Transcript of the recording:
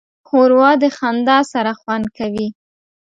ښوروا د خندا سره خوند کوي.